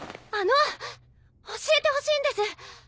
あのっ教えてほしいんです。